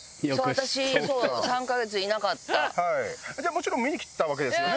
もちろん見に来たわけですよね？